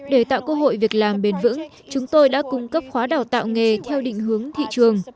để tạo cơ hội việc làm bền vững chúng tôi đã cung cấp khóa đào tạo nghề theo định hướng thị trường